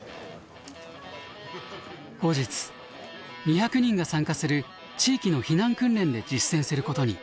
後日２００人が参加する地域の避難訓練で実践することに。